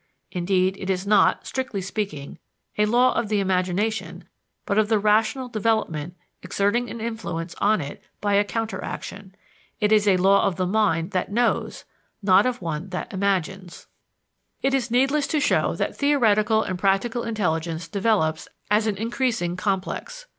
Indeed, it is not, strictly speaking, a law of the imagination but of the rational development exerting an influence on it by a counter action. It is a law of the mind that knows, not of one that imagines. It is needless to show that theoretical and practical intelligence develops as an increasing complex.